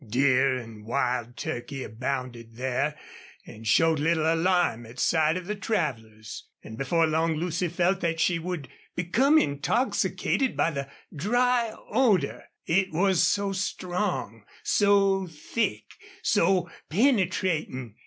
Deer and wild turkey abounded there and showed little alarm at sight of the travelers. And before long Lucy felt that she would become intoxicated by the dry odor. It was so strong, so thick, so penetrating.